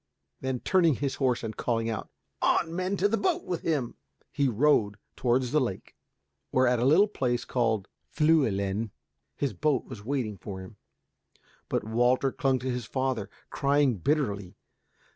Then turning his horse and calling out, "On, men, to the boat with him," he rode towards the lake, where, at a little place called Fliielen, his boat was waiting for him. But Walter clung to his father, crying bitterly.